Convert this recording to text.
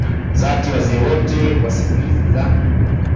dhati wazee wote wa simulizi za